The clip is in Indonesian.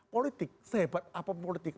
politik sehebat apa politik